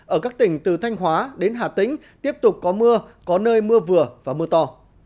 ở các tỉnh từ thanh hóa đến hà tĩnh tiếp tục có mưa có nơi mưa vừa và mưa to